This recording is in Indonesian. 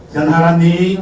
dan hal ini